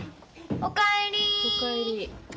お帰り。